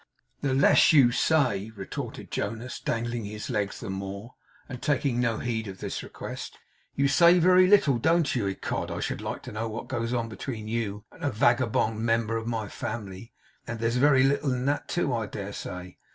'The less you say!' retorted Jonas, dangling his legs the more, and taking no heed of this request. 'You say very little, don't you? Ecod, I should like to know what goes on between you and a vagabond member of my family. There's very little in that too, I dare say!